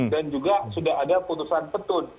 dan juga sudah ada putusan petun